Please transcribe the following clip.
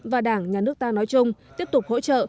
và đảng nhà nước ta nói chung tiếp tục hỗ trợ